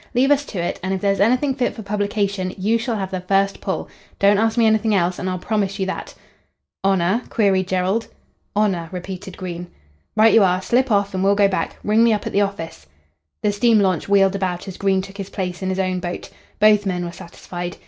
Leave us to it, and if there's anything fit for publication you shall have first pull. Don't ask me anything else and I'll promise you that." "Honour?" queried Jerrold. "Honour," repeated Green. "Right you are. Slip off and we'll go back. Ring me up at the office." The steam launch wheeled about as Green took his place in his own boat. Both men were satisfied.